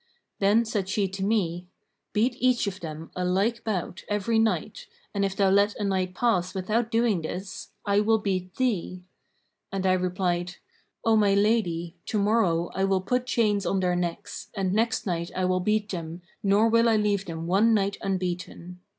Then said she to me, 'Beat each of them a like bout every night, and if thou let a night pass without doing this, I will beat thee;' and I replied, 'O my lady, to morrow I will put chains on their necks, and next night I will beat them nor will I leave them one night unbeaten.'